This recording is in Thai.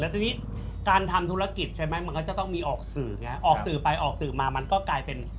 ทีนี้การทำธุรกิจใช่ไหมมันก็จะต้องมีออกสื่อไงออกสื่อไปออกสื่อมามันก็กลายเป็น